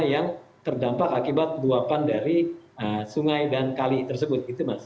yang terdampak akibat luapan dari sungai dan kali tersebut